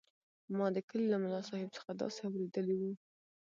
ما د کلي له ملاصاحب څخه داسې اورېدلي وو.